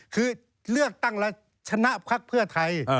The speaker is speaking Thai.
คือเลือกตั้งแล้วชนะพักเพื่อไทย